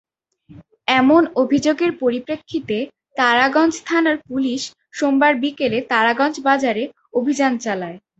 এমন অভিযোগের পরিপ্রেক্ষিতে তারাগঞ্জ থানার পুলিশ সোমবার বিকেলে তারাগঞ্জ বাজারে অভিযান চালায়।